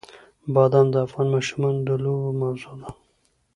بادام د افغان ماشومانو د لوبو موضوع ده.